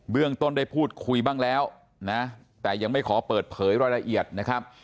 เรื่องต้นได้พูดคุยบ้างแล้วนะแต่ยังไม่ขอเปิดเผยรายละเอียดนะครับ